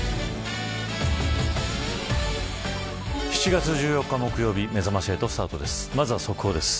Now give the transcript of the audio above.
７月１４日木曜日めざまし８スタートです。